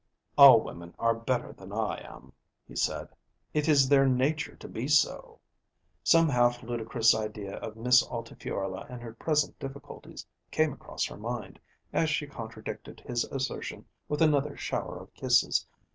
"All women are better than I am," he said. "It is their nature to be so." Some half ludicrous idea of Miss Altifiorla and her present difficulties came across her mind, as she contradicted his assertion with another shower of kisses.